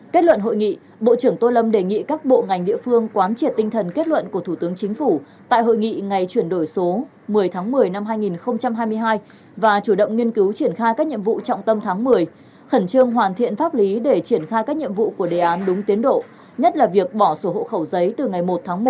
kết luận hội nghị bộ trưởng tô lâm đề nghị các bộ ngành địa phương quán triệt tinh thần kết luận của thủ tướng chính phủ tại hội nghị ngày chuyển đổi số một mươi tháng một mươi năm hai nghìn hai mươi hai và chủ động nghiên cứu triển khai các nhiệm vụ trọng tâm tháng một mươi khẩn trương hoàn thiện pháp lý để triển khai các nhiệm vụ của đề án đúng tiến độ nhất là việc bỏ sổ hộ khẩu giấy từ ngày một tháng một